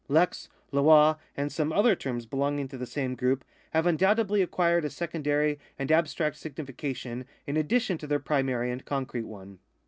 Lex, loi, and some other terms belonging to the same group have undoubtedly acquired a secondary and abstract signification in addition to their primary and concrete one.